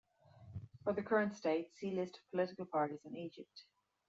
For the current state, see List of political parties in Egypt.